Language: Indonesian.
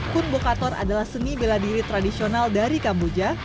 kun bokator adalah seni bela diri tradisional dari kamboja